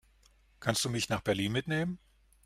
Kannst du mich nach Berlin mitnehmen?